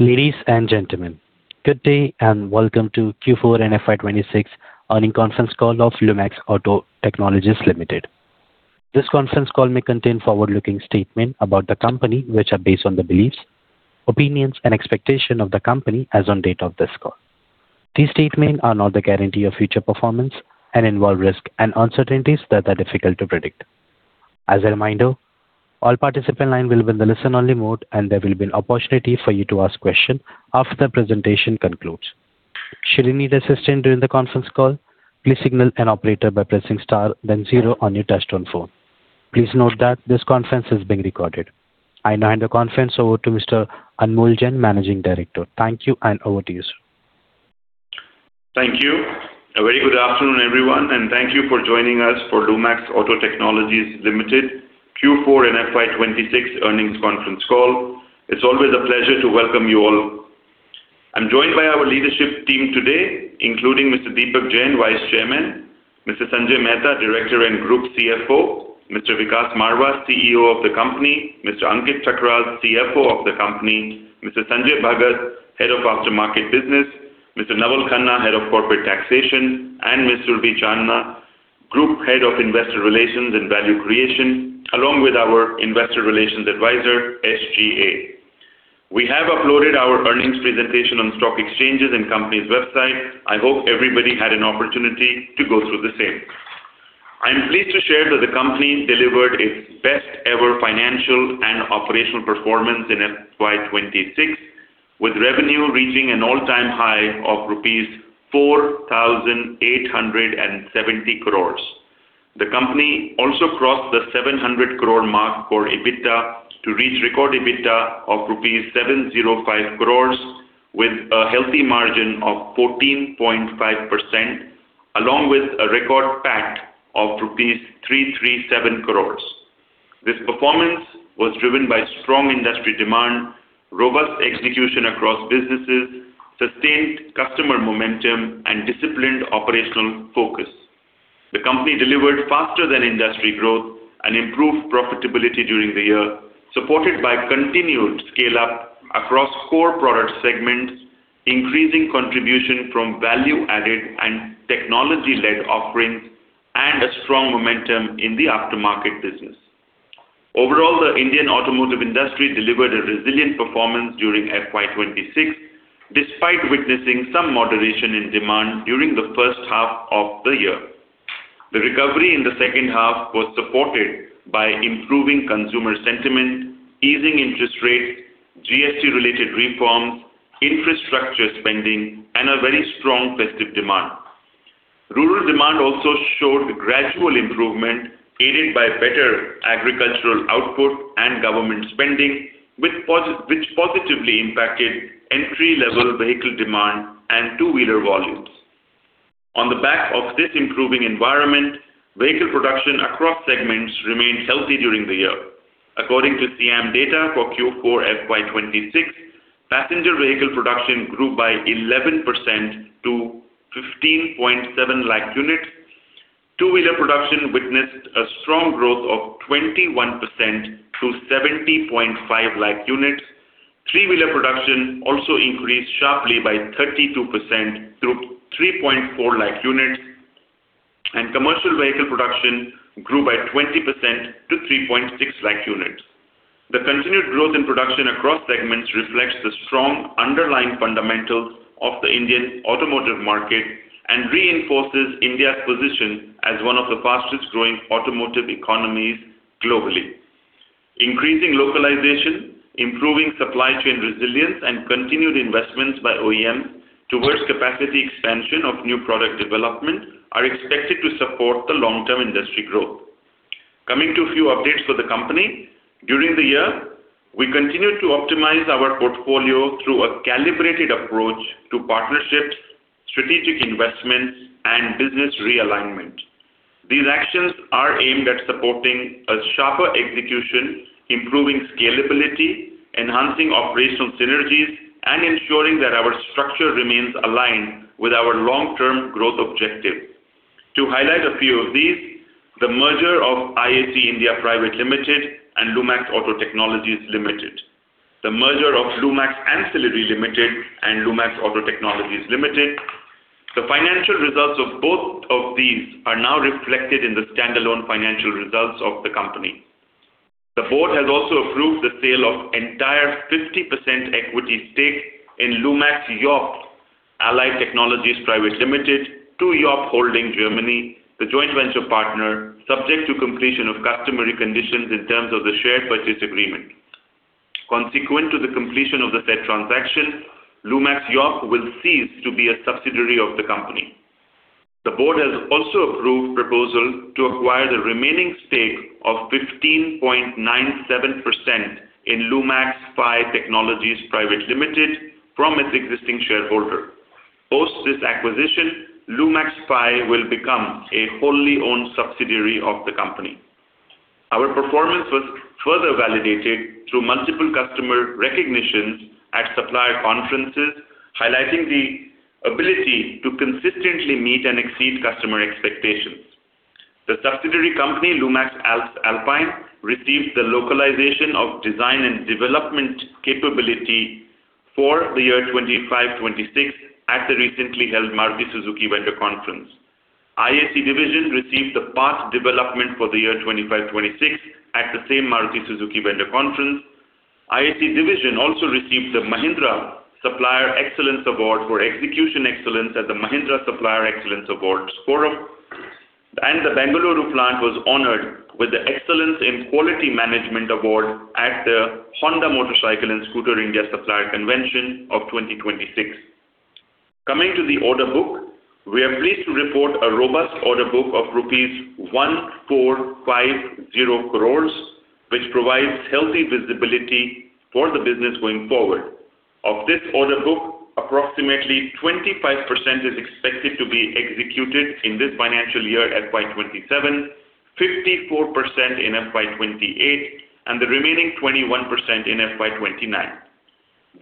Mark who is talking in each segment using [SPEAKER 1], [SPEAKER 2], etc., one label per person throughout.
[SPEAKER 1] Ladies and gentlemen, good day and welcome to Q4 and FY 2026 earnings conference call of Lumax Auto Technologies Limited. This conference call may contain forward-looking statements about the company, which are based on the beliefs, opinions, and expectations of the company as on date of this call. These statements are not the guarantee of future performance and involve risks and uncertainties that are difficult to predict. As a reminder, all participant lines will be in the listen-only mode, and there will be an opportunity for you to ask questions after the presentation concludes. Should you need assistance during the conference call, please signal an operator by pressing star then zero on your touchtone phone. Please note that this conference is being recorded. I now hand the conference over to Mr. Anmol Jain, Managing Director. Thank you. Over to you, sir.
[SPEAKER 2] Thank you. A very good afternoon, everyone, and thank you for joining us for Lumax Auto Technologies Limited Q4 and FY 2026 earnings conference call. It's always a pleasure to welcome you all. I'm joined by our leadership team today, including Mr. Deepak Jain, Vice Chairman; Mr. Sanjay Mehta, Director and Group CFO; Mr. Vikas Marwah, CEO of the company; Mr. Ankit Thakral, CFO of the company; Mr. Sanjay Bhagat, Head of Aftermarket Business; Mr. Naval Khanna, Head of Corporate Taxation; and Ms. Surabhi Channa, Group Head of Investor Relations and Value Creation; along with our investor relations advisor, SGA. We have uploaded our earnings presentation on stock exchanges and company's website. I hope everybody had an opportunity to go through the same. I'm pleased to share that the company delivered its best ever financial and operational performance in FY 2026, with revenue reaching an all-time high of rupees 4,870 crores. The company also crossed the 700 crore mark for EBITDA to reach record EBITDA of rupees 705 crores with a healthy margin of 14.5%, along with a record PAT of rupees 337 crores. This performance was driven by strong industry demand, robust execution across businesses, sustained customer momentum, and disciplined operational focus. The company delivered faster than industry growth and improved profitability during the year, supported by continued scale-up across core product segments, increasing contribution from value-added and technology-led offerings, and a strong momentum in the aftermarket business. Overall, the Indian automotive industry delivered a resilient performance during FY 2026, despite witnessing some moderation in demand during the first half of the year. The recovery in the second half was supported by improving consumer sentiment, easing interest rates, GST-related reforms, infrastructure spending, and a very strong festive demand. Rural demand also showed gradual improvement, aided by better agricultural output and government spending, which positively impacted entry-level vehicle demand and two-wheeler volumes. On the back of this improving environment, vehicle production across segments remained healthy during the year. According to SIAM data for Q4 FY 2026, passenger vehicle production grew by 11% to 15.7 lakh units. Two-wheeler production witnessed a strong growth of 21% to 70.5 lakh units. Three-wheeler production also increased sharply by 32% to 3.4 lakh units, and commercial vehicle production grew by 20% to 3.6 lakh units. The continued growth in production across segments reflects the strong underlying fundamentals of the Indian automotive market and reinforces India's position as one of the fastest-growing automotive economies globally. Increasing localization, improving supply chain resilience, and continued investments by OEM towards capacity expansion of new product development are expected to support the long-term industry growth. Coming to a few updates for the company. During the year, we continued to optimize our portfolio through a calibrated approach to partnerships, strategic investments, and business realignment. These actions are aimed at supporting a sharper execution, improving scalability, enhancing operational synergies, and ensuring that our structure remains aligned with our long-term growth objective. To highlight a few of these, the merger of IAC India Private Limited and Lumax Auto Technologies Limited, the merger of Lumax Ancillary Limited and Lumax Auto Technologies Limited. The financial results of both of these are now reflected in the standalone financial results of the company. The board has also approved the sale of entire 50% equity stake in Lumax Yokowo Technologies Private Limited to Yokowo Holding Germany, the joint venture partner, subject to completion of customary conditions in terms of the shared purchase agreement. Consequent to the completion of the said transaction, Lumax Yokowo will cease to be a subsidiary of the company. The board has also approved a proposal to acquire the remaining stake of 15.97% in Lumax FAE Technologies Private Limited from its existing shareholder. Post this acquisition, Lumax FAE will become a wholly owned subsidiary of the company. Our performance was further validated through multiple customer recognitions at supplier conferences, highlighting the ability to consistently meet and exceed customer expectations. The subsidiary company, Lumax Alps Alpine, received the localization of design and development capability for the year 2025-2026 at the recently held Maruti Suzuki Vendor Conference. ISE division received the part development for the year 2025-2026 at the same Maruti Suzuki Vendor Conference. ISE division also received the Mahindra Supplier Excellence Award for execution excellence at the Mahindra Supplier Excellence Awards forum. The Bengaluru plant was honored with the Excellence in Quality Management Award at the Honda Motorcycle and Scooter India Supplier Convention of 2026. Coming to the order book, we are pleased to report a robust order book of rupees 1,450 crore, which provides healthy visibility for the business going forward. Of this order book, approximately 25% is expected to be executed in this financial year, FY 2027, 54% in FY 2028, and the remaining 21% in FY 2029.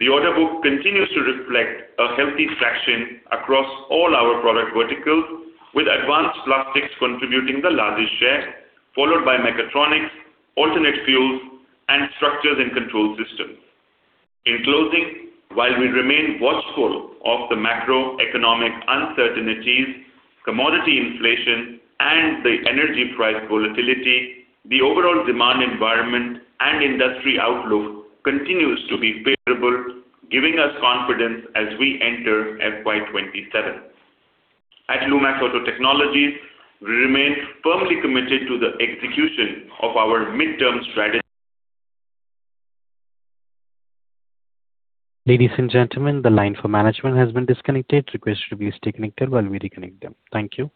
[SPEAKER 2] The order book continues to reflect a healthy traction across all our product verticals, with advanced plastics contributing the largest share, followed by mechatronics, alternate fuels, and structures and control systems. In closing, while we remain watchful of the macroeconomic uncertainties, commodity inflation, and the energy price volatility, the overall demand environment and industry outlook continues to be favorable, giving us confidence as we enter FY 2027. At Lumax Auto Technologies, we remain firmly committed to the execution of our midterm strategy.
[SPEAKER 1] Ladies and gentlemen, the line for management has been disconnected. Request you to be connected while we reconnect them. Thank you.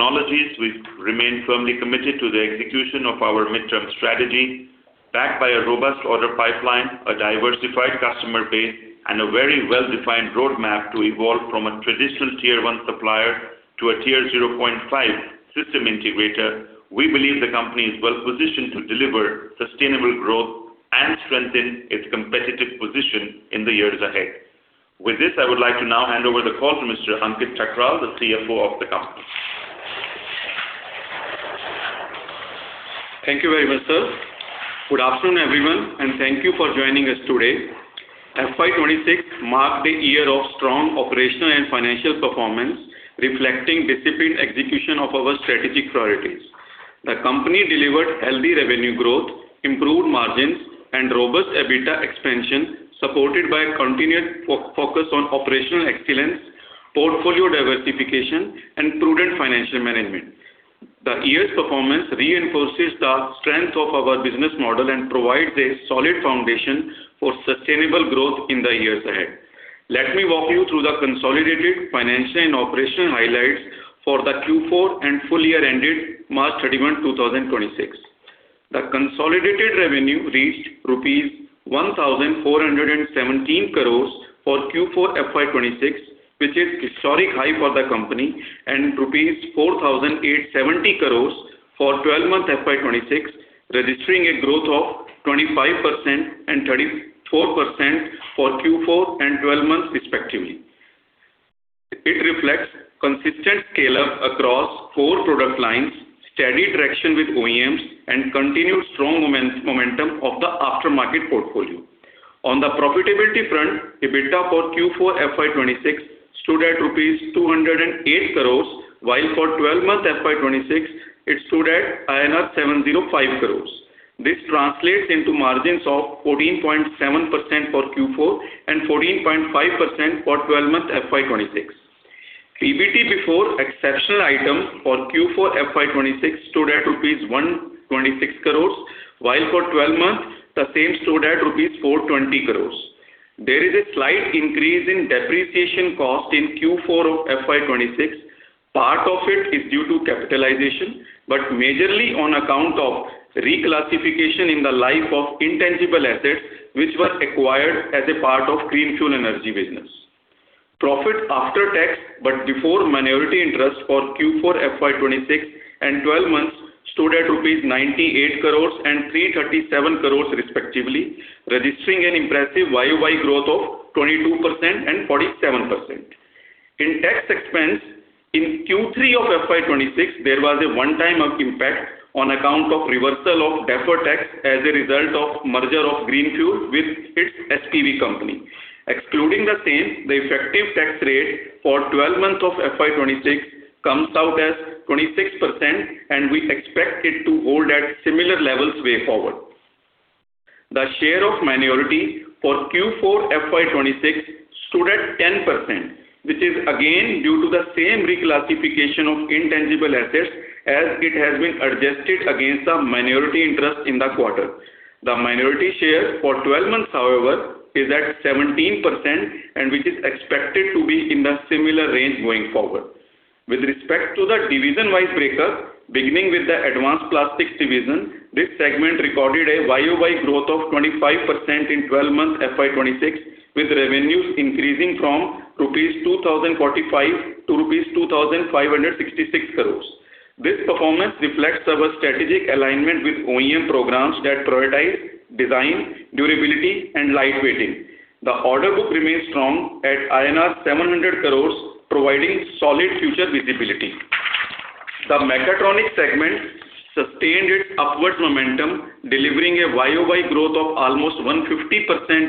[SPEAKER 2] Before that call drop. Just to pick up where I left off, at Lumax Auto Technologies, we remain firmly committed to the execution of our midterm strategy, backed by a robust order pipeline, a diversified customer base, and a very well-defined roadmap to evolve from a traditional tier 1 supplier to a tier 0.5 system integrator. We believe the company is well-positioned to deliver sustainable growth and strengthen its competitive position in the years ahead. With this, I would like to now hand over the call to Mr. Ankit Thakral, the CFO of the company.
[SPEAKER 3] Thank you very much, sir. Good afternoon, everyone, and thank you for joining us today. FY 2026 marked a year of strong operational and financial performance, reflecting disciplined execution of our strategic priorities. The company delivered healthy revenue growth, improved margins, and robust EBITDA expansion, supported by continued focus on operational excellence, portfolio diversification, and prudent financial management. The year's performance reinforces the strength of our business model and provides a solid foundation for sustainable growth in the years ahead. Let me walk you through the consolidated financial and operational highlights for the Q4 and full year ended March 31st, 2026. The consolidated revenue reached rupees 1,417 crores for Q4 FY 2026, which is historic high for the company, and rupees 4,870 crores for 12-month FY 2026, registering a growth of 25% and 34% for Q4 and 12 months respectively. It reflects consistent scale-up across core product lines, steady traction with OEMs, and continued strong momentum of the aftermarket portfolio. On the profitability front, EBITDA for Q4 FY 2026 stood at INR 208 crores, while for 12 months FY 2026, it stood at INR 705 crores. This translates into margins of 14.7% for Q4 and 14.5% for 12-month FY 2026. PBT before exceptional items for Q4 FY 2026 stood at rupees 126 crores, while for 12 months, the same stood at rupees 420 crores. There is a slight increase in depreciation cost in Q4 of FY 2026. Part of it is due to capitalization, but majorly on account of reclassification in the life of intangible assets, which were acquired as a part of Greenfuel Energy business. Profit after tax, but before minority interest for Q4 FY 2026 and 12 months stood at rupees 98 crore and 337 crore respectively, registering an impressive YOY growth of 22% and 47%. Tax expense in Q3 of FY 2026, there was a one-time impact on account of reversal of deferred tax as a result of merger of Greenfuel with its SPV company. Excluding the same, the effective tax rate for 12 months of FY 2026 comes out as 26%, and we expect it to hold at similar levels way forward. The share of minority for Q4 FY 2026 stood at 10%, which is again due to the same reclassification of intangible assets as it has been adjusted against the minority interest in the quarter. The minority share for 12 months, however, is at 17% and which is expected to be in the similar range going forward. With respect to the division-wise breakup, beginning with the Advanced Plastics division, this segment recorded a YOY growth of 25% in 12 months FY 2026, with revenues increasing from 2,045-2,566 crores rupees. This performance reflects our strategic alignment with OEM programs that prioritize design, durability, and light weighting. The order book remains strong at INR 700 crores, providing solid future visibility. The Mechatronics segment sustained its upward momentum, delivering a YOY growth of almost 150%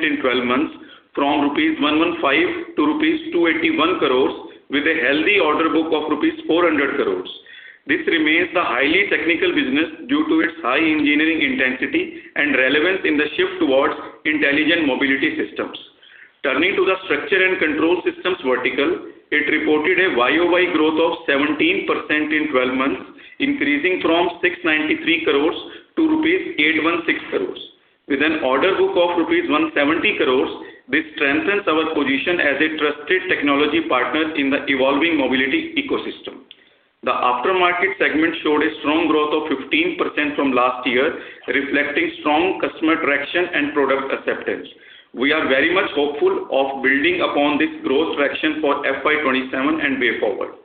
[SPEAKER 3] in 12 months from 115-281 crores rupees, with a healthy order book of rupees 400 crores. This remains the highly technical business due to its high engineering intensity and relevance in the shift towards intelligent mobility systems. Turning to the Structure and Control Systems vertical, it reported a YOY growth of 17% in 12 months, increasing from 693 crores to rupees 816 crores. With an order book of rupees 170 crores, this transcends our position as a trusted technology partner in the evolving mobility ecosystem. The Aftermarket segment showed a strong growth of 15% from last year, reflecting strong customer traction and product acceptance. We are very much hopeful of building upon this growth traction for FY 2027 and way forward.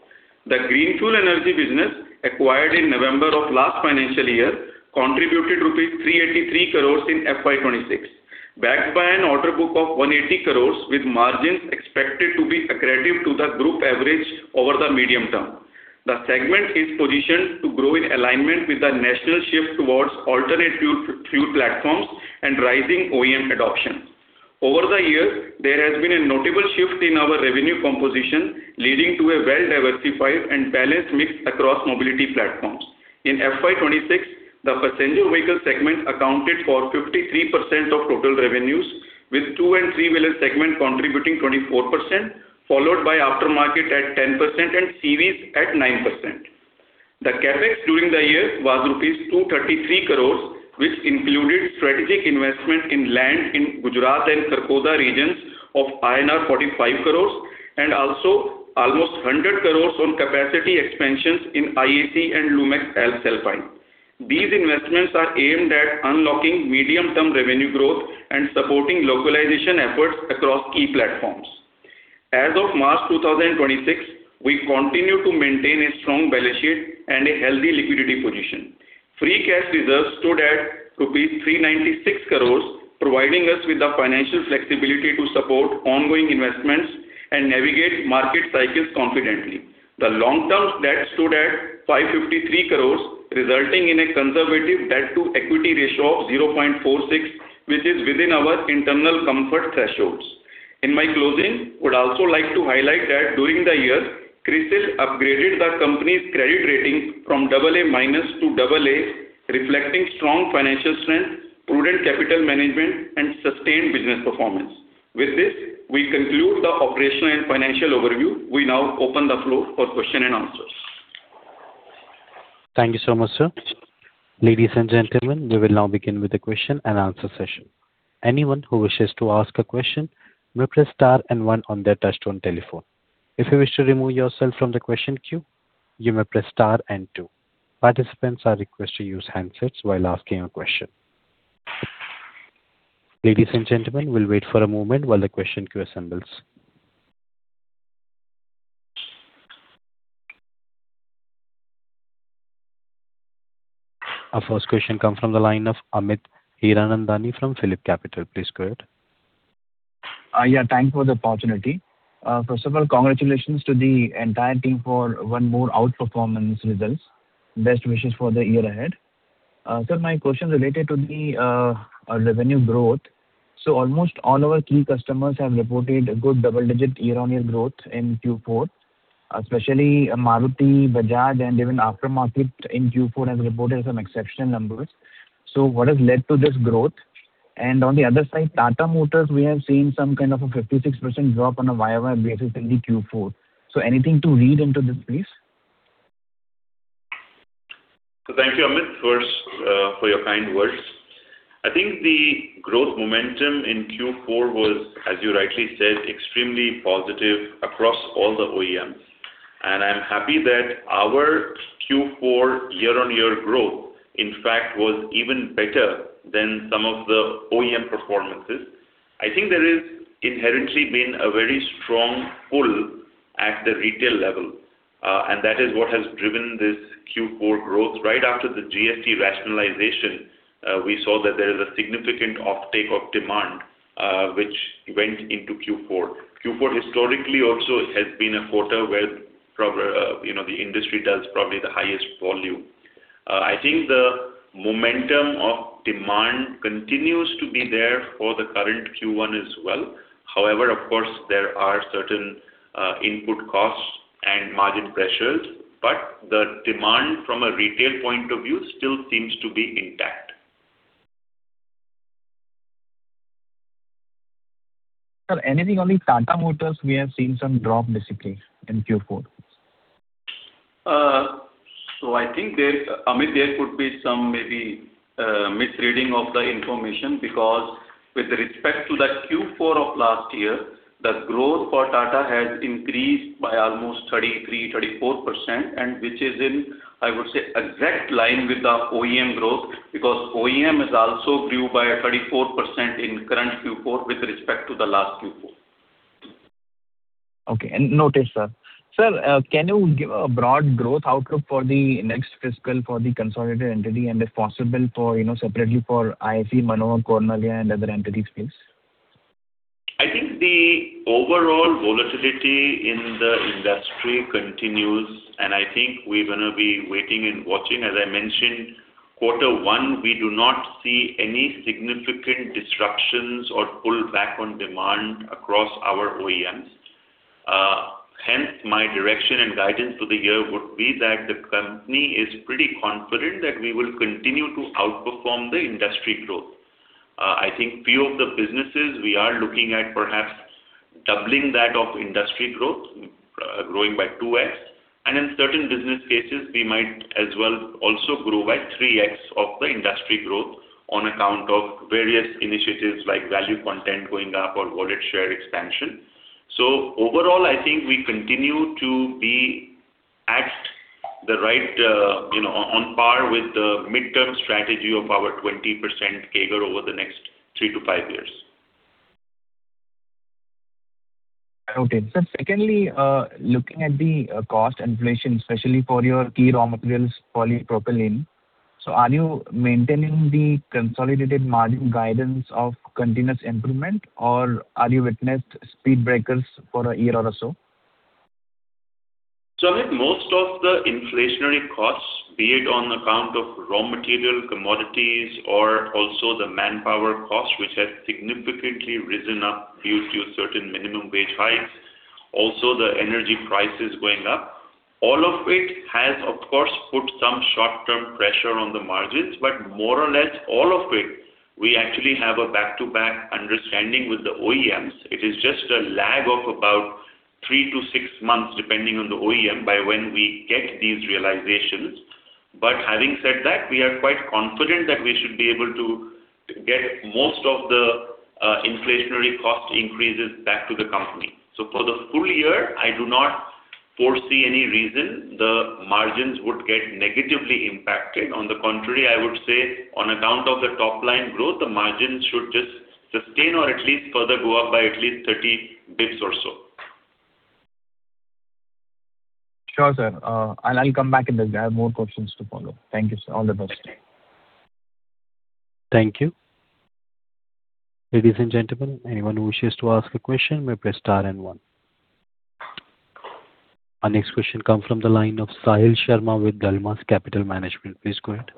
[SPEAKER 3] The Greenfuel Energy business, acquired in November of last financial year, contributed rupees 383 crores in FY 2026, backed by an order book of 180 crores, with margins expected to be accretive to the group average over the medium term. The segment is positioned to grow in alignment with the national shift towards alternative fuel platforms and rising OEM adoption. Over the years, there has been a notable shift in our revenue composition, leading to a well-diversified and balanced mix across mobility platforms. In FY 2026, the Passenger Vehicle segment accounted for 53% of total revenues, with Two and Three Wheeler segment contributing 24%, followed by Aftermarket at 10% and CVs at 9%. The CapEx during the year was rupees 233 crores, which included strategic investment in land in Gujarat and Sanand regions of INR 45 crores, and also almost 100 crores on capacity expansions in ISE and Lumax Alps Alpine. These investments are aimed at unlocking medium-term revenue growth and supporting localization efforts across key platforms. As of March 2026, we continue to maintain a strong balance sheet and a healthy liquidity position. Free cash reserves stood at 396 crores, providing us with the financial flexibility to support ongoing investments and navigate market cycles confidently. The long-term debt stood at 553 crores, resulting in a conservative debt-to-equity ratio of 0.46, which is within our internal comfort thresholds. In my closing, would also like to highlight that during the year, CRISIL upgraded the company's credit rating from AA- to AA, reflecting strong financial strength, prudent capital management, and sustained business performance. With this, we conclude the operational and financial overview. We now open the floor for question and answers.
[SPEAKER 1] Thank you so much, sir. Ladies and gentlemen, we will now begin with the question and answer session. Our first question comes from the line of Amit Hiranandani from PhillipCapital. Please go ahead.
[SPEAKER 4] Yeah, thanks for the opportunity. First of all, congratulations to the entire team for one more outperformance results. Best wishes for the year ahead. Sir, my question related to the revenue growth. Almost all our key customers have reported a good double-digit year-on-year growth in Q4, especially Maruti, Bajaj, and even Aftermarket in Q4 has reported some exceptional numbers. What has led to this growth? On the other side, Tata Motors, we are seeing some kind of a 56% drop on a YOY basis in Q4. Anything to read into this, please?
[SPEAKER 2] Thank you, Amit, first, for your kind words. I think the growth momentum in Q4 was, as you rightly said, extremely positive across all the OEMs. I'm happy that our Q4 year-on-year growth, in fact, was even better than some of the OEM performances. I think there is inherently been a very strong pull at the retail level. That is what has driven this Q4 growth. Right after the GST rationalization, we saw that there is a significant uptake of demand, which went into Q4. Q4 historically also has been a quarter where the industry does probably the highest volume. I think the momentum of demand continues to be there for the current Q1 as well. Of course, there are certain input costs and margin pressures, but the demand from a retail point of view still seems to be intact.
[SPEAKER 4] Sir, anything on Tata Motors? We have seen some drop basically in Q4.
[SPEAKER 2] I think, Amit, there could be some maybe misreading of the information because with respect to the Q4 of last year, the growth for Tata has increased by almost 33%, 34%, and which is in, I would say, exact line with the OEM growth, because OEM is also grew by 34% in current Q4 with respect to the last Q4.
[SPEAKER 4] Okay. Noted, sir. Sir, can you give a broad growth outlook for the next fiscal for the consolidated entity and if possible separately for IAC, Mannoh, Cornaglia and other entity space?
[SPEAKER 2] I think the overall volatility in the industry continues, and I think we're going to be waiting and watching. As I mentioned, quarter one, we do not see any significant disruptions or pull back on demand across our OEMs. My direction and guidance for the year would be that the company is pretty confident that we will continue to outperform the industry growth. I think few of the businesses we are looking at perhaps doubling that of industry growth, growing by 2x. In certain business cases, we might as well also grow by 3x of the industry growth on account of various initiatives like value content going up or wallet share expansion. Overall, I think we continue to be on par with the midterm strategy of our 20% CAGR over the next three to five years.
[SPEAKER 4] Okay. Sir, secondly, looking at the cost inflation, especially for your key raw materials, polypropylene. Are you maintaining the consolidated margin guidance of continuous improvement, or are you witnessed speed breakers for a year or so?
[SPEAKER 2] I think most of the inflationary costs, be it on account of raw material, commodities, or also the manpower cost, which has significantly risen up due to certain minimum wage hikes. Also, the energy prices going up. All of it has, of course, put some short-term pressure on the margins. More or less all of it, we actually have a back-to-back understanding with the OEMs. It is just a lag of about 3-6 months, depending on the OEM, by when we get these realizations. Having said that, we are quite confident that we should be able to get most of the inflationary cost increases back to the company. For the full year, I do not foresee any reason the margins would get negatively impacted. On the contrary, I would say on account of the top-line growth, the margins should just sustain or at least further go up by at least 30 basis points or so.
[SPEAKER 4] Sure, sir. I'll come back in this. I have more questions to follow. Thank you, sir. All the best.
[SPEAKER 1] Thank you. Ladies and gentlemen, anyone who wishes to ask a question may press star and one. Our next question come from the line of Sahil Sharma with Dalmas Capital Management. Please go ahead.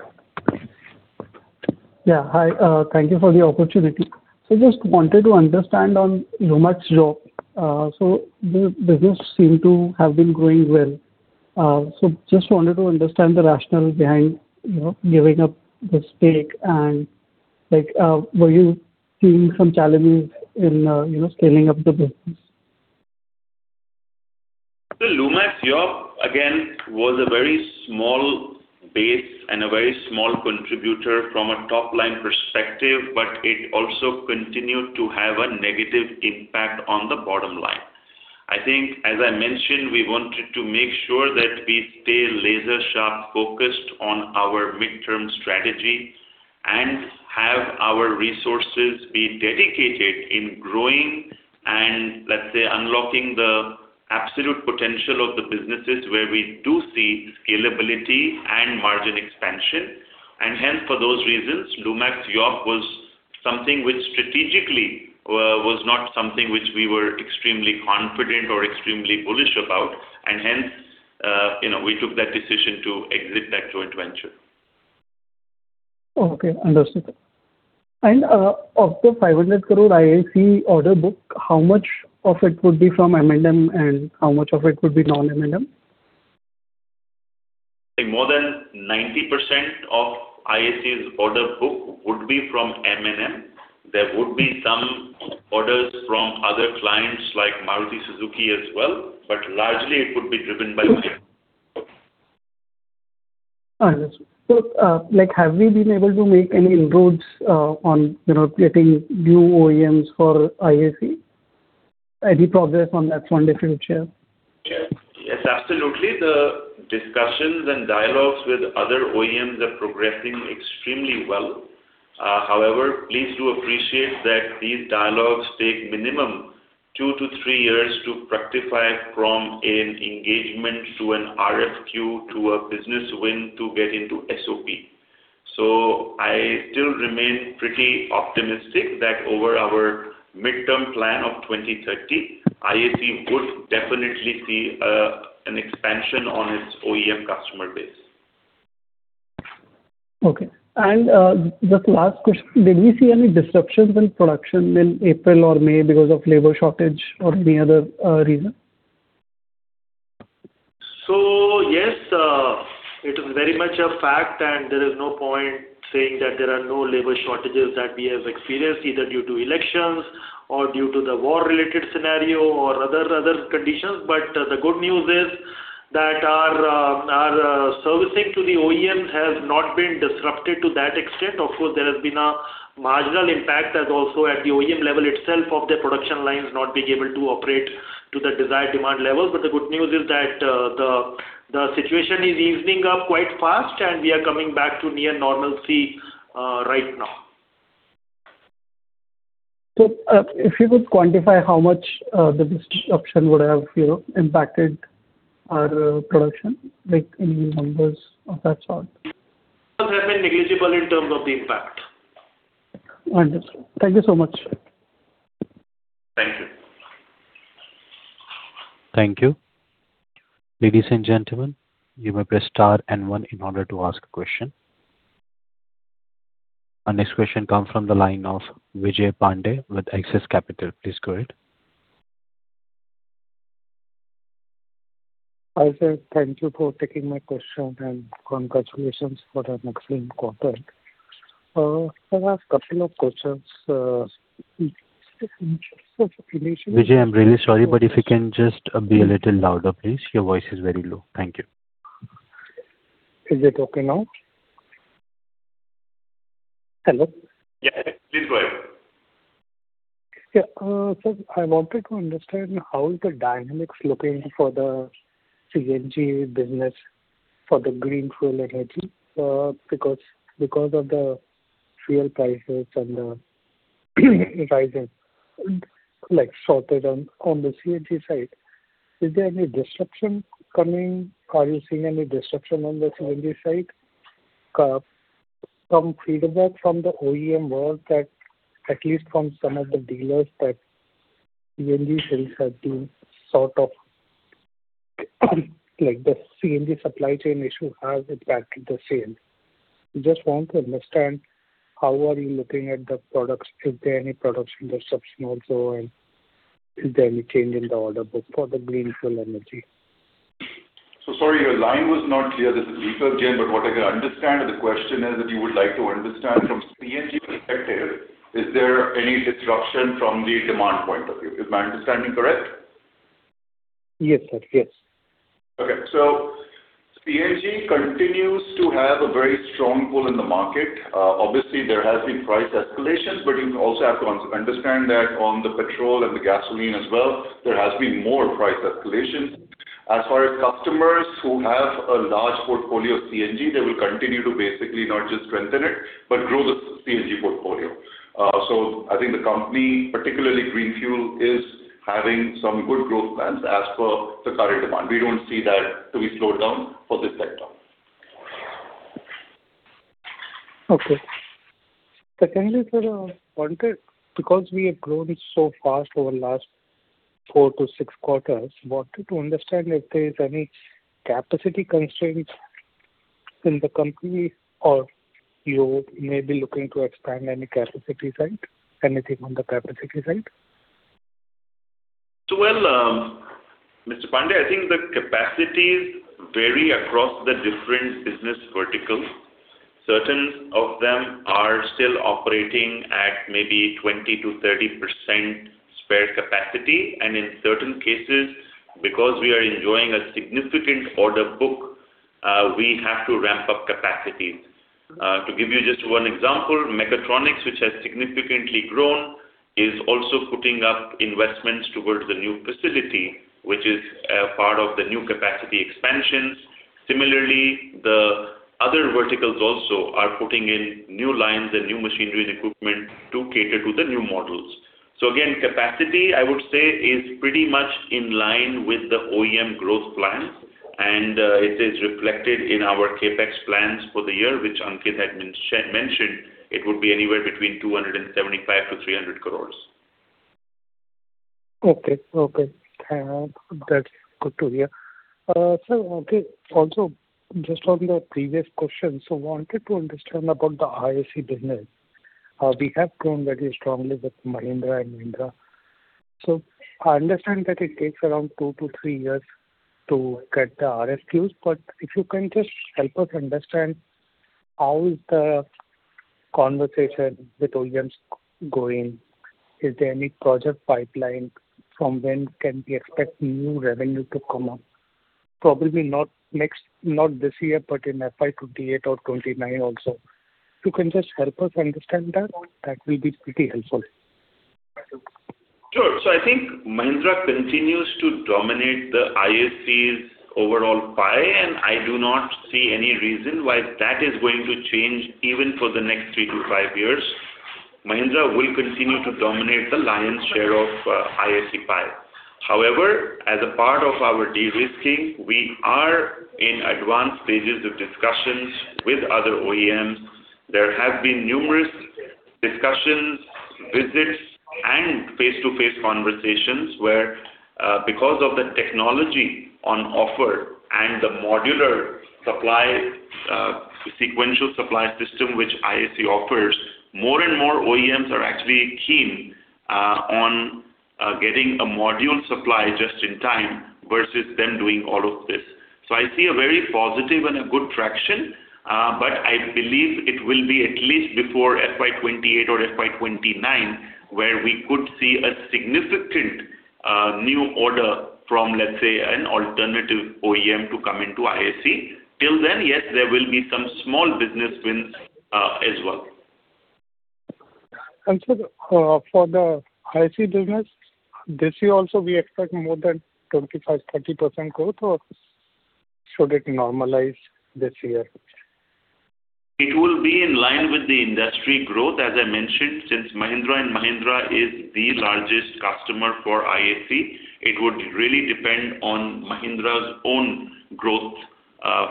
[SPEAKER 5] Yeah. Hi. Thank you for the opportunity. Just wanted to understand on Lumax IoT. The business seem to have been growing well. Just wanted to understand the rationale behind giving up the stake, and were you seeing some challenges in scaling up the business?
[SPEAKER 2] Lumax IoT, again, was a very small base and a very small contributor from a top-line perspective, but it also continued to have a negative impact on the bottom line. I think, as I mentioned, we wanted to make sure that we stay laser-sharp focused on our midterm strategy and have our resources be dedicated in growing and, let's say, unlocking the absolute potential of the businesses where we do see scalability and margin expansion. Hence, for those reasons, Lumax IoT was something which strategically was not something which we were extremely confident or extremely bullish about, and hence, we took that decision to exit that joint venture.
[SPEAKER 5] Okay, understood. Of the 500 crore IAC order book, how much of it would be from M&M and how much of it would be non-M&M?
[SPEAKER 2] I think more than 90% of IAC's order book would be from M&M. There would be some orders from other clients like Maruti Suzuki as well, but largely it would be driven by M&M.
[SPEAKER 5] Understood. Have we been able to make any inroads on getting new OEMs for IAC? Any progress on that front if you would share?
[SPEAKER 2] Yes, absolutely. The discussions and dialogues with other OEMs are progressing extremely well.
[SPEAKER 6] Please do appreciate that these dialogues take minimum two to three years to fructify from an engagement to an RFQ to a business win to get into SOP. I still remain pretty optimistic that over our midterm plan of 2030, IAC would definitely see an expansion on its OEM customer base.
[SPEAKER 5] Okay. Just last question, did we see any disruptions in production in April or May because of labor shortage or any other reason?
[SPEAKER 6] Yes, it is very much a fact, and there is no point saying that there are no labor shortages that we have experienced, either due to elections or due to the war-related scenario or other conditions. The good news is that our servicing to the OEMs has not been disrupted to that extent. Of course, there has been a marginal impact as also at the OEM level itself of their production lines not being able to operate to the desired demand levels. The good news is that the situation is easing up quite fast, and we are coming back to near normalcy right now.
[SPEAKER 5] If you could quantify how much the disruption would have impacted our production, like any numbers of that sort?
[SPEAKER 6] Those have been negligible in terms of the impact.
[SPEAKER 5] Wonderful. Thank you so much.
[SPEAKER 6] Thank you.
[SPEAKER 1] Thank you. Ladies and gentlemen, you may press star and one in order to ask a question. Our next question comes from the line of Vijay Pandey with Axis Capital. Please go ahead.
[SPEAKER 7] Hi, sir. Thank you for taking my question and congratulations for an excellent quarter. Sir, I have a couple of questions.
[SPEAKER 1] Vijay, I am really sorry, but if you can just be a little louder, please. Your voice is very low. Thank you.
[SPEAKER 7] Is it okay now? Hello?
[SPEAKER 6] Yeah. Please go ahead.
[SPEAKER 7] Yeah. Sir, I wanted to understand how is the dynamics looking for the CNG business for the Greenfuel Energy. Because of the fuel prices and the rising, like shortage on the CNG side, is there any disruption coming? Are you seeing any disruption on the CNG side? Some feedback from the OEM was that at least from some of the dealers that CNG sales have been sort of like the CNG supply chain issue has impacted the sales. Just want to understand how are you looking at the products. Is there any production disruption also, and is there any change in the order book for the Greenfuel Energy?
[SPEAKER 6] Sorry, your line was not clear. This is Deepak Jain. What I can understand that the question is that you would like to understand from CNG perspective, is there any disruption from the demand point of view? Is my understanding correct?
[SPEAKER 7] Yes, sir. Yes.
[SPEAKER 6] Okay. CNG continues to have a very strong pull in the market. Obviously, there has been price escalations, but you also have to understand that on the petrol and the gasoline as well, there has been more price escalation. As far as customers who have a large portfolio of CNG, they will continue to basically not just strengthen it, but grow the CNG portfolio. I think the company, particularly Greenfuel, is having some good growth plans as per the current demand. We don't see that to be slowed down for this sector.
[SPEAKER 7] Secondly, sir, because we have grown so fast over last 4-6 quarters, wanted to understand if there is any capacity constraints in the company or you may be looking to expand any capacity side. Anything on the capacity side?
[SPEAKER 6] Well, Mr. Pandey, I think the capacities vary across the different business verticals. Certain of them are still operating at maybe 20%-30% spare capacity, and in certain cases, because we are enjoying a significant order book, we have to ramp up capacities. To give you just one example, Mechatronics, which has significantly grown, is also putting up investments towards the new facility, which is a part of the new capacity expansions. Similarly, the other verticals also are putting in new lines and new machinery and equipment to cater to the new models. Again, capacity, I would say, is pretty much in line with the OEM growth plans, and it is reflected in our CapEx plans for the year, which Ankit had mentioned. It would be anywhere between 275-300 crores.
[SPEAKER 7] Okay. That's good to hear. Sir, okay, also, just on your previous question, wanted to understand about the IAC business. We have grown very strongly with Mahindra & Mahindra. I understand that it takes around 2-3 years to get the RFQs, but if you can just help us understand how is the conversation with OEMs going. Is there any project pipeline? From when can we expect new revenue to come up? Probably not this year, but in FY 2028 or 2029 also. If you can just help us understand that will be pretty helpful.
[SPEAKER 2] Sure. I think Mahindra continues to dominate the IAC's overall pie, and I do not see any reason why that is going to change even for the next three to five years. Mahindra will continue to dominate the lion's share of IAC pie. However, as a part of our de-risking, we are in advanced stages of discussions with other OEMs. There have been numerous discussions, visits, and face-to-face conversations where, because of the technology on offer and the modular sequential supply system which IAC offers, more and more OEMs are actually keen on getting a module supply just in time versus them doing all of this. I see a very positive and a good traction, but I believe it will be at least before FY 2028 or FY 2029, where we could see a significant new order from, let's say, an alternative OEM to come into IAC. Till then, yes, there will be some small business wins as well.
[SPEAKER 7] sir, for the IAC business, this year also we expect more than 25%-30% growth, should it normalize this year?
[SPEAKER 2] It will be in line with the industry growth. As I mentioned, since Mahindra & Mahindra is the largest customer for IAC, it would really depend on Mahindra's own growth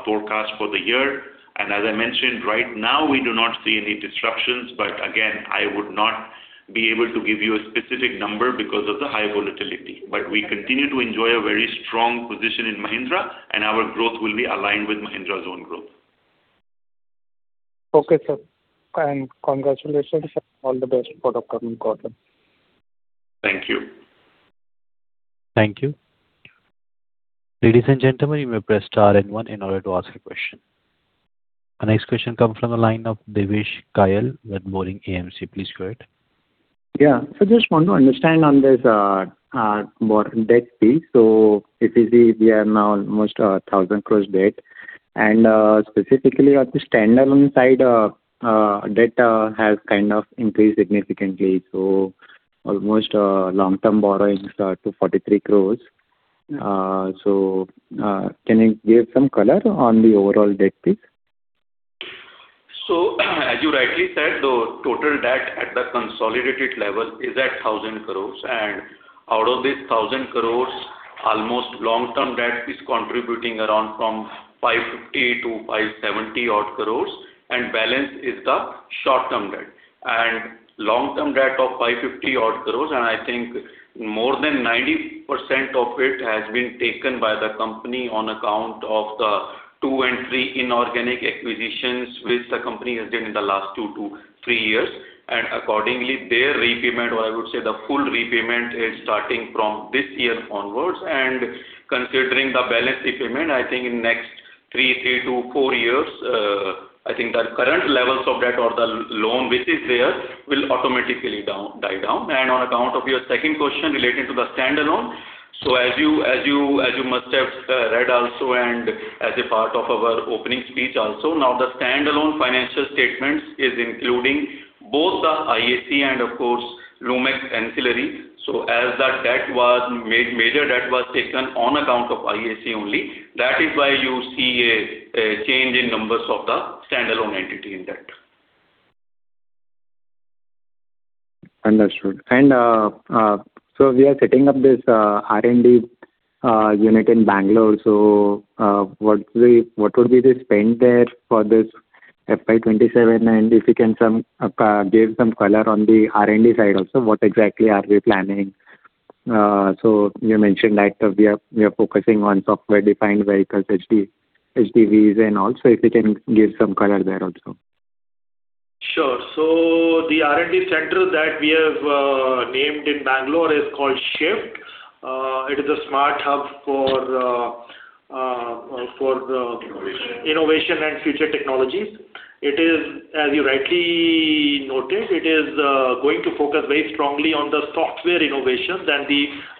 [SPEAKER 2] forecast for the year. As I mentioned, right now, we do not see any disruptions. Again, I would not be able to give you a specific number because of the high volatility. We continue to enjoy a very strong position in Mahindra, and our growth will be aligned with Mahindra's own growth.
[SPEAKER 7] Okay, sir. Congratulations, and all the best for the coming quarter.
[SPEAKER 2] Thank you.
[SPEAKER 1] Thank you. Ladies and gentlemen, you may press star and one in order to ask a question. Our next question comes from the line of Devesh Kayal with Boring AMC. Please go ahead.
[SPEAKER 8] Yeah. I just want to understand on this broad debt piece. If you see, we are now almost 1,000 crore debt, and specifically on the standalone side, debt has kind of increased significantly. Almost long-term borrowings are 243 crore. Can you give some color on the overall debt piece?
[SPEAKER 3] As you rightly said, the total debt at the consolidated level is at 1,000 crores. Out of this 1,000 crores, almost long-term debt is contributing around from 550 odd crores-INR 570 odd crores, and balance is the short-term debt. Long-term debt of 550 odd crores, I think more than 90% of it has been taken by the company on account of the two and three inorganic acquisitions which the company has done in the last 2-3 years. Accordingly, their repayment, or I would say the full repayment, is starting from this year onwards. Considering the balance repayment, I think in next 3-4 years, I think the current levels of debt or the loan which is there will automatically die down. On account of your second question related to the standalone. As you must have read also and as a part of our opening speech also, now the standalone financial statements is including both the IAC and of course, Lumax Ancillary. As the major debt was taken on account of IAC only, that is why you see a change in numbers of the standalone entity in that.
[SPEAKER 8] Understood. We are setting up this R&D unit in Bengaluru. What would be the spend there for this FY 2027? If you can give some color on the R&D side also, what exactly are we planning? You mentioned that we are focusing on software-defined vehicles, SDVs, and all. If you can give some color there also.
[SPEAKER 2] Sure. The R&D center that we have named in Bangalore is called SHIFT. It is a smart hub for innovation and future technologies. As you rightly noted, it is going to focus very strongly on the software innovations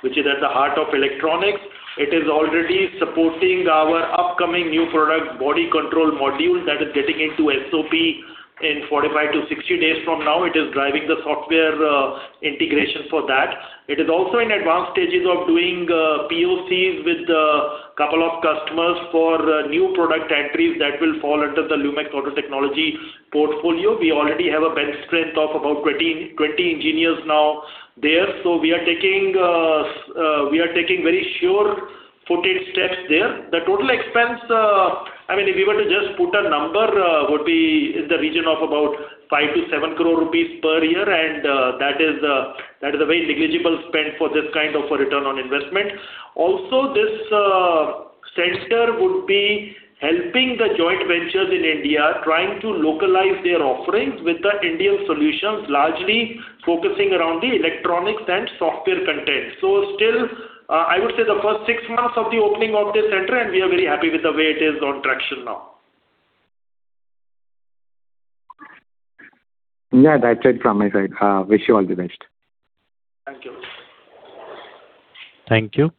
[SPEAKER 2] which is at the heart of electronics. It is already supporting our upcoming new product body control module that is getting into SOP in 45-60 days from now. It is driving the software integration for that. It is also in advanced stages of doing POCs with a couple of customers for new product entries that will fall under the Lumax Auto Technologies portfolio. We already have a bench strength of about 20 engineers now there. We are taking very sure-footed steps there. The total expense, if we were to just put a number, would be in the region of about 5 crore-7 crore rupees per year, that is a very negligible spend for this kind of a ROI. This center would be helping the joint ventures in India trying to localize their offerings with the Indian solutions, largely focusing around the electronics and software content. Still, I would say the first six months of the opening of this center, we are very happy with the way it is on traction now.
[SPEAKER 8] Yeah, that's it from my side. Wish you all the best.
[SPEAKER 2] Thank you.
[SPEAKER 1] Thank you.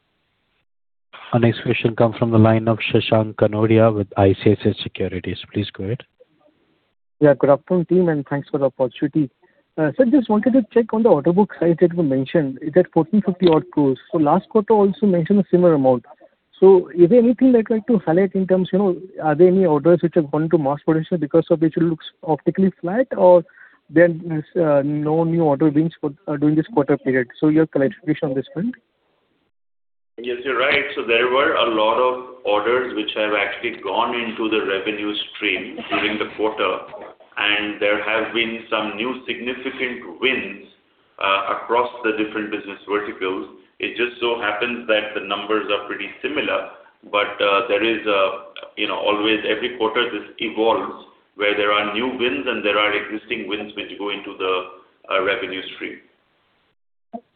[SPEAKER 1] Our next question comes from the line of Shashank Kanodia with ICICI Securities. Please go ahead.
[SPEAKER 9] Yeah. Good afternoon, team, and thanks for the opportunity. Sir, just wanted to check on the order book size that you mentioned. Is that 1,450 odd crore? Last quarter also mentioned a similar amount. Is there anything I'd like to highlight in terms, are there any orders which have gone to mass production because of which it looks optically flat or there are no new order wins during this quarter period? Your clarification on this front.
[SPEAKER 2] Yes, you're right. There were a lot of orders which have actually gone into the revenue stream during the quarter, and there have been some new significant wins across the different business verticals. It just so happens that the numbers are pretty similar. Every quarter this evolves where there are new wins and there are existing wins which go into the revenue stream.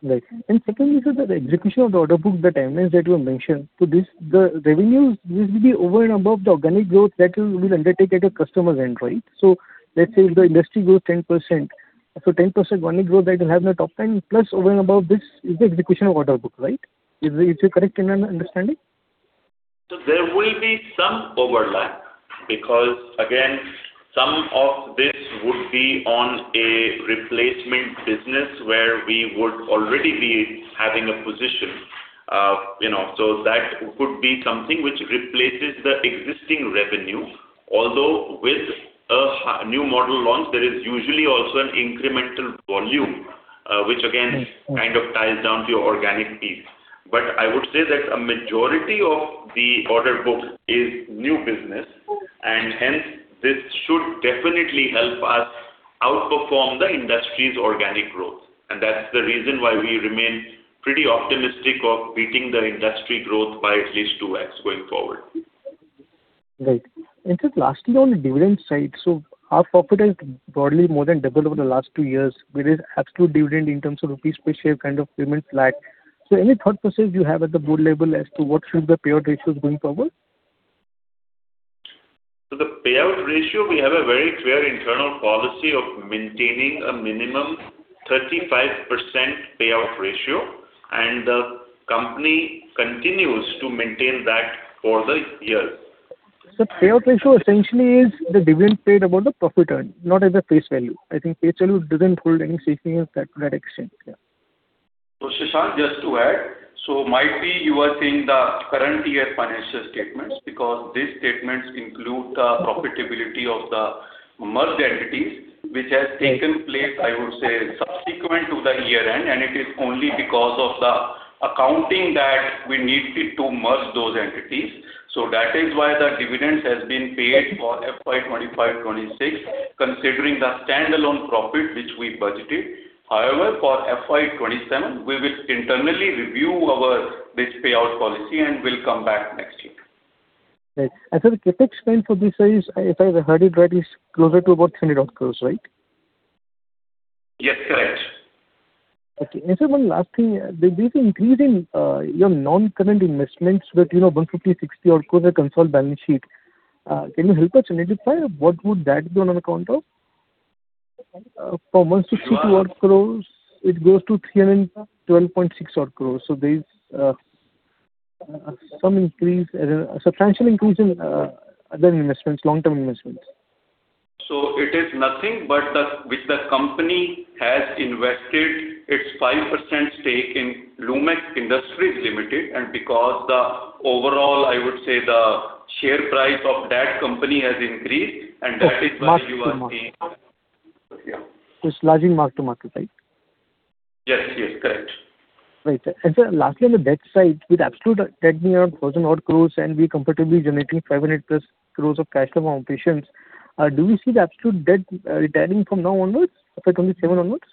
[SPEAKER 9] Right. Secondly, sir, the execution of the order book, the timelines that you have mentioned. The revenues will be over and above the organic growth that you will undertake at your customer's end, right? Let's say if the industry grows 10%, 10% organic growth that you have in the top end, plus over and above this is the execution of order book, right? Is it correct in my understanding?
[SPEAKER 2] There will be some overlap because, again, some of this would be on a replacement business where we would already be having a position. That could be something which replaces the existing revenue. Although with a new model launch, there is usually also an incremental volume, which again kind of ties down to your organic piece. I would say that a majority of the order book is new business, and hence this should definitely help us outperform the industry's organic growth. That's the reason why we remain pretty optimistic of beating the industry growth by at least 2x going forward.
[SPEAKER 9] Right. Sir, lastly, on the dividend side, our profit has broadly more than doubled over the last two years, whereas absolute dividend in terms of INR per share kind of payment lagged. Any thought process you have at the board level as to what should the payout ratios going forward?
[SPEAKER 3] The payout ratio, we have a very clear internal policy of maintaining a minimum 35% payout ratio, and the company continues to maintain that for the year.
[SPEAKER 9] Payout ratio essentially is the dividend paid about the profit earned, not as a face value. I think face value doesn't hold any significance to that extent. Yeah.
[SPEAKER 3] Shashank, just to add, might be you are seeing the current year financial statements because these statements include the profitability of the merged entities, which has taken place, I would say, subsequent to the year-end, and it is only because of the accounting that we needed to merge those entities. That is why the dividends has been paid for FY 2025/2026, considering the standalone profit which we budgeted. However, for FY 2027, we will internally review our this payout policy and will come back next year.
[SPEAKER 9] Right. Sir, the CapEx spend for this is, if I heard it right, is closer to about 300 odd crore, right?
[SPEAKER 3] Yes, correct.
[SPEAKER 9] Okay. Sir, one last thing. There is an increase in your non-current investments that INR 150, 60 odd crores at consolidated balance sheet. Can you help us identify what would that be on account of? From 162 odd crores it goes to 312.6 odd crores. There is a substantial increase in other investments, long-term investments.
[SPEAKER 3] It is nothing but which the company has invested its 5% stake in Lumax Industries Limited, and because the overall, I would say, the share price of that company has increased.
[SPEAKER 9] It's lodging mark to market, right?
[SPEAKER 3] Yes. Correct.
[SPEAKER 9] Right, sir. Sir, lastly, on the debt side, with absolute debt near 1,000 odd crore and we're comfortably generating 500 plus crore of cash flow from operations, do we see the absolute debt retiring from now onwards, FY 2027 onwards?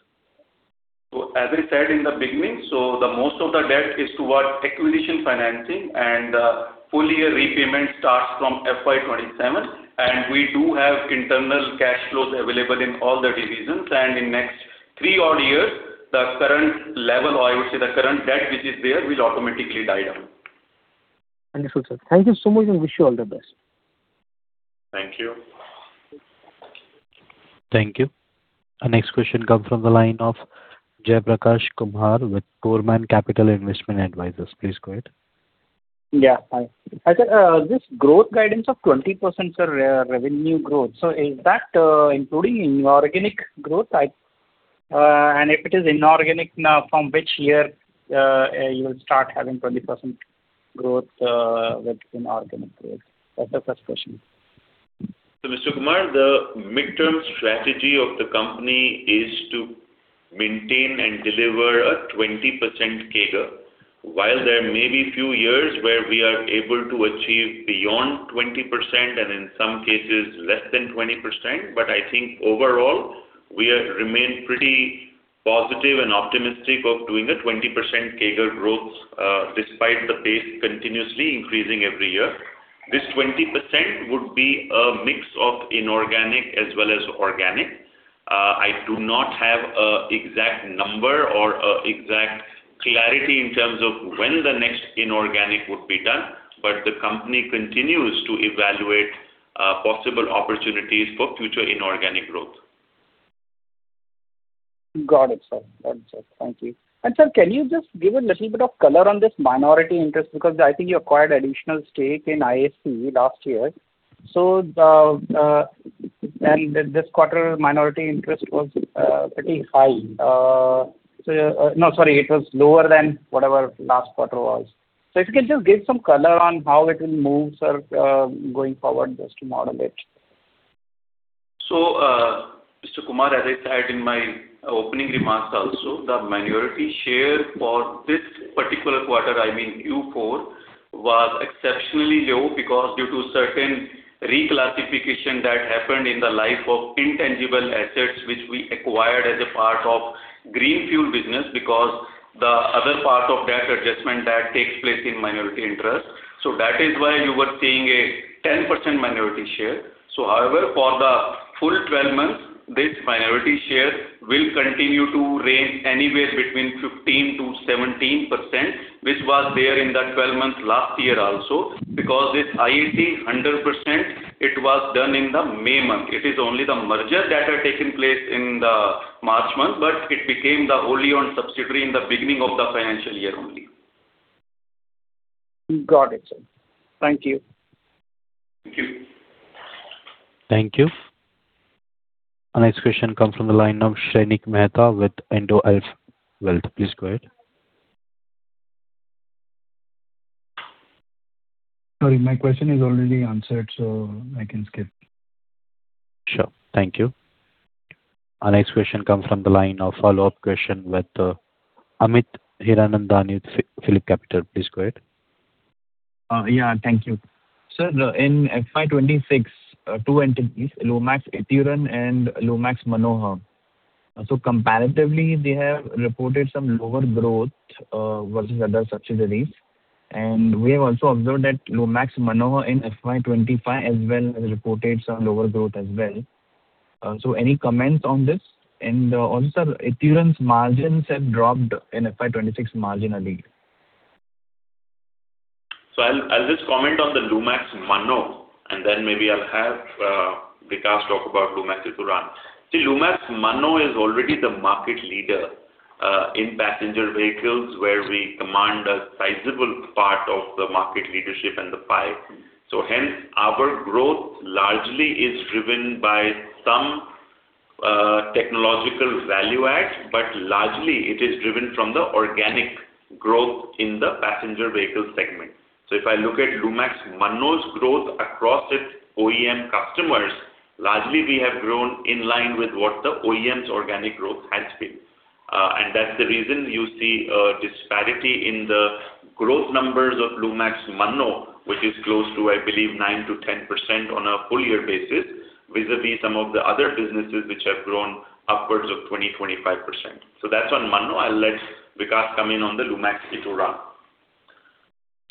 [SPEAKER 3] As I said in the beginning, so the most of the debt is towards acquisition financing and the full year repayment starts from FY 2027, and we do have internal cash flows available in all the divisions and in next three odd years, the current level, or I would say the current debt which is there, will automatically die down.
[SPEAKER 9] Understood, sir. Thank you so much and wish you all the best.
[SPEAKER 3] Thank you.
[SPEAKER 1] Thank you. Our next question comes from the line of Jaiprakash Kumar with Koerner Capital Investment Advisors. Please go ahead.
[SPEAKER 10] Yeah. Hi. Sir, this growth guidance of 20% revenue growth, so is that including inorganic growth? If it is inorganic, from which year you will start having 20% growth with inorganic growth? That's the first question.
[SPEAKER 2] Mr. Kumar, the midterm strategy of the company is to maintain and deliver a 20% CAGR. While there may be few years where we are able to achieve beyond 20% and in some cases less than 20%, I think overall, we remain pretty positive and optimistic of doing a 20% CAGR growth, despite the base continuously increasing every year. This 20% would be a mix of inorganic as well as organic. I do not have a exact number or a exact clarity in terms of when the next inorganic would be done, the company continues to evaluate possible opportunities for future inorganic growth.
[SPEAKER 10] Got it, sir. Thank you. Sir, can you just give a little bit of color on this minority interest, because I think you acquired additional stake in IAC last year. This quarter, minority interest was pretty high. No, sorry, it was lower than whatever last quarter was. If you can just give some color on how it will move, sir, going forward, just to model it.
[SPEAKER 3] Mr. Kumar, as I said in my opening remarks also, the minority share for this particular quarter, I mean Q4, was exceptionally low because due to certain reclassification that happened in the life of intangible assets, which we acquired as a part of Greenfuel business, because the other part of that adjustment that takes place in minority interest. That is why you were seeing a 10% minority share. However, for the full 12 months, this minority share will continue to range anywhere between 15%-17%, which was there in the 12 months last year also, because this IAC 100% it was done in the May month. It is only the merger that had taken place in the March month, but it became the wholly owned subsidiary in the beginning of the financial year only.
[SPEAKER 10] Got it, sir. Thank you.
[SPEAKER 3] Thank you.
[SPEAKER 1] Thank you. Our next question comes from the line of Shrenik Mehta with IndoAlps Wealth. Please go ahead.
[SPEAKER 11] Sorry, my question is already answered, so I can skip.
[SPEAKER 1] Sure. Thank you. Our next question comes from the line of follow-up question with Amit Hiranandani with PhillipCapital. Please go ahead.
[SPEAKER 4] Yeah. Thank you. Sir, in FY 2026, two entities, Lumax Ituran and Lumax Mannoh. Comparatively, they have reported some lower growth, versus other subsidiaries. We have also observed that Lumax Mannoh in FY 2025 as well has reported some lower growth as well. Any comments on this? Also, sir, Ituran's margins have dropped in FY 2026 marginally.
[SPEAKER 3] I'll just comment on the Lumax Mannoh, and then maybe I'll have Vikas talk about Lumax Ituran. See, Lumax Mannoh is already the market leader in passenger vehicles, where we command a sizable part of the market leadership and the pie. Hence, our growth largely is driven by some technological value add, but largely it is driven from the organic growth in the passenger vehicle segment. If I look at Lumax Mannoh's growth across its OEM customers, largely we have grown in line with what the OEM's organic growth has been. That's the reason you see a disparity in the growth numbers of Lumax Mannoh, which is close to, I believe, 9%-10% on a full year basis, vis-à-vis some of the other businesses which have grown upwards of 20%-25%. That's on Mannoh. I'll let Vikas come in on the Lumax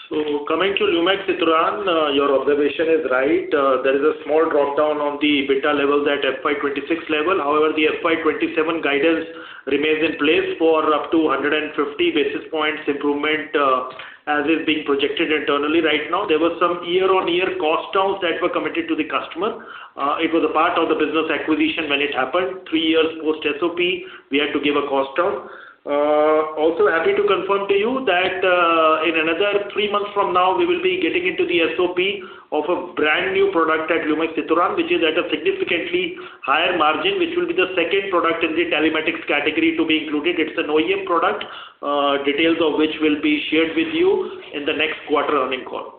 [SPEAKER 3] Ituran.
[SPEAKER 12] Coming to Lumax Ituran, your observation is right. There is a small drop-down on the EBITDA levels at FY 2026 level. However, the FY 2027 guidance remains in place for up to 150 basis points improvement, as is being projected internally right now. There were some year-on-year cost downs that were committed to the customer. It was a part of the business acquisition when it happened. 3 years post-SOP, we had to give a cost down. Also happy to confirm to you that in another 3 months from now, we will be getting into the SOP of a brand-new product at Lumax Ituran, which is at a significantly higher margin, which will be the second product in the telematics category to be included. It's an OEM product, details of which will be shared with you in the next quarter earning call.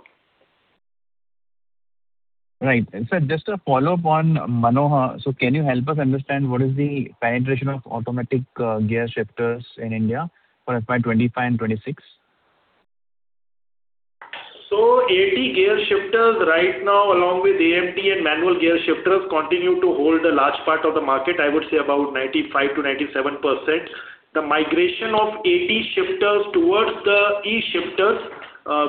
[SPEAKER 4] Right. Sir, just a follow-up on Mannoh. Can you help us understand what is the penetration of automatic gear shifters in India for FY 2025 and FY 2026?
[SPEAKER 12] AT gear shifters right now, along with AMT and manual gear shifters, continue to hold a large part of the market, I would say about 95%-97%. The migration of AT shifters towards the E-shifters,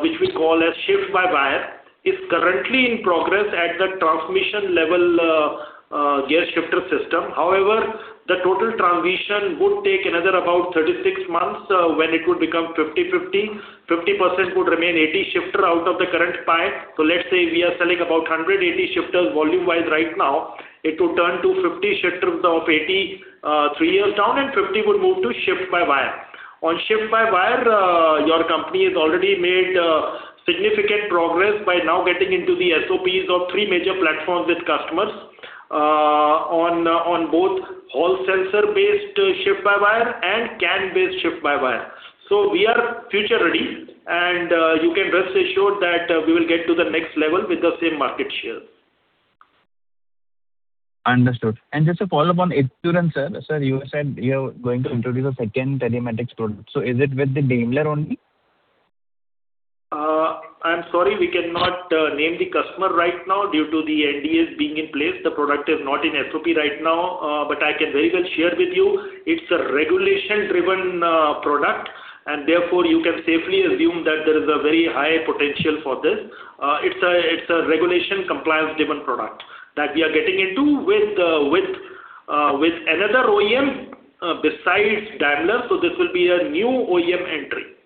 [SPEAKER 12] which we call as shift by wire, is currently in progress at the transmission level gear shifter system. However, the total transition would take another about 36 months, when it would become 50/50, 50% would remain AT shifter out of the current pie. Let's say we are selling about 180 shifters volume-wise right now. It will turn to 50 shifters of AT 3 years down and 50 would move to shift by wire. On shift by wire, your company has already made significant progress by now getting into the SOPs of three major platforms with customers, on both Hall sensor-based shift by wire and CAN-based shift by wire. We are future ready, and you can rest assured that we will get to the next level with the same market share.
[SPEAKER 4] Understood. Just a follow-up on Ituran, sir. Sir, you said you are going to introduce a second telematics product. Is it with Daimler only?
[SPEAKER 12] I'm sorry, we cannot name the customer right now due to the NDAs being in place. The product is not in SOP right now. I can very well share with you, it's a regulation-driven product, and therefore you can safely assume that there is a very high potential for this. It's a regulation compliance-driven product that we are getting into with another OEM besides Daimler, so this will be a new OEM entry.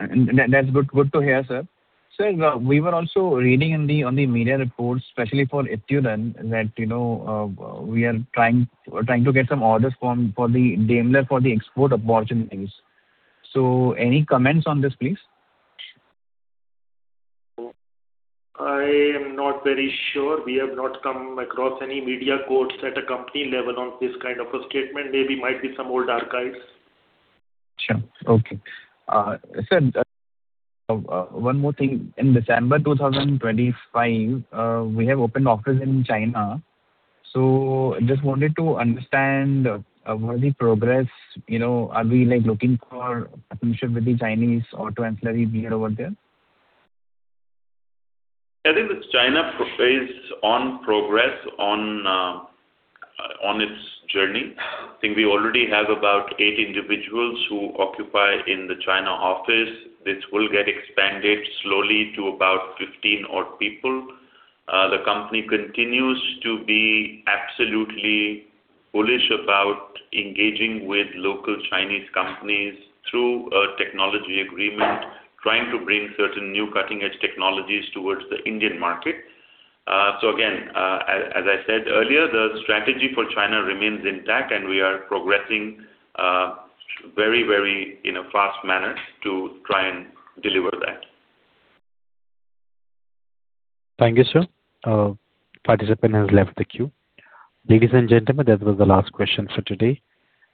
[SPEAKER 4] That's good to hear, sir. Sir, we were also reading on the media reports, especially for Ituran, that we are trying to get some orders from Daimler for the export opportunities. Any comments on this, please?
[SPEAKER 2] I am not very sure. We have not come across any media quotes at a company level on this kind of a statement. Maybe might be some old archives.
[SPEAKER 4] Sure. Okay. Sir, one more thing. In December 2025, we have opened offices in China. Just wanted to understand about the progress. Are we looking for partnership with the Chinese auto ancillary player over there?
[SPEAKER 2] I think China is on progress on its journey. I think we already have about eight individuals who occupy in the China office. This will get expanded slowly to about 15 odd people. The company continues to be absolutely bullish about engaging with local Chinese companies through a technology agreement, trying to bring certain new cutting-edge technologies towards the Indian market. Again, as I said earlier, the strategy for China remains intact, and we are progressing very fast manner to try and deliver that.
[SPEAKER 1] Thank you, sir. Ladies and gentlemen, that was the last question for today.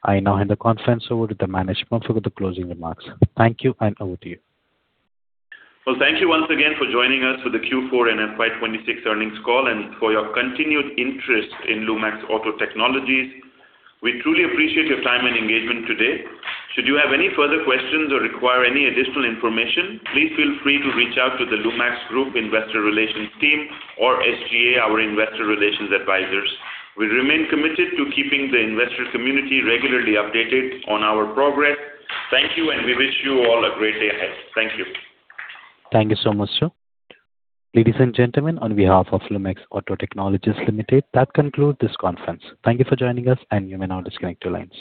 [SPEAKER 1] I now hand the conference over to the management for the closing remarks. Thank you, and over to you.
[SPEAKER 2] Well, thank you once again for joining us for the Q4 and FY 2026 earnings call and for your continued interest in Lumax Auto Technologies. We truly appreciate your time and engagement today. Should you have any further questions or require any additional information, please feel free to reach out to the Lumax Group investor relations team or SGA, our investor relations advisors. We remain committed to keeping the investor community regularly updated on our progress. Thank you, and we wish you all a great day ahead. Thank you.
[SPEAKER 1] Thank you so much, sir. Ladies and gentlemen, on behalf of Lumax Auto Technologies Limited, that concludes this conference. Thank you for joining us, and you may now disconnect your lines.